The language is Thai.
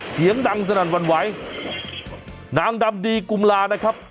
เสียงดังสนั่นหวั่นไหวนางดำดีกุมลานะครับ